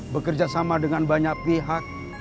bekerja sama dengan banyak pihak